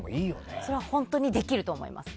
本当にできると思います。